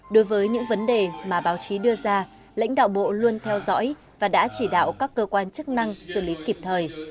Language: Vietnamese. đối với những vấn đề mà báo chí đưa ra lãnh đạo bộ luôn theo dõi và đã chỉ đạo các cơ quan chức năng xử lý kịp thời